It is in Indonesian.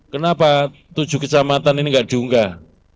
kenapa tujuh kecamatan ini nggak diunggah